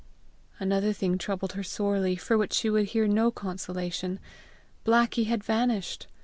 Another thing troubled her sorely, for which she would hear no consolation; Blackie had vanished!